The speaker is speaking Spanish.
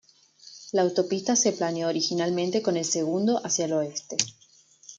La autopista se planeó originalmente con El Segundo hacia el oeste.